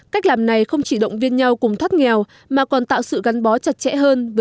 cách làm này không chỉ là bán cây trồng nhưng cũng là bán cây trồng